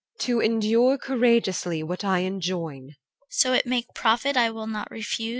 EL. To endure courageously what I enjoin. CHR. So it make profit, I will not refuse.